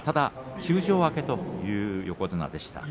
休場明けという横綱でした。